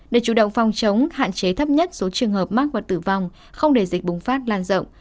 để chủ động phòng chống hạn chế thấp nhất số trường hợp mắc và tử vong không để dịch bùng phát lan rộng